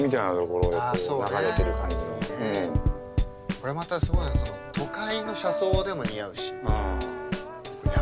これまたすごいのが都会の車窓でも似合うし山とか海とか。